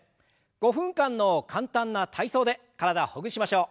５分間の簡単な体操で体をほぐしましょう。